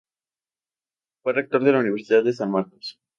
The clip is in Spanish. Fue Rector de la Universidad de San Marcos.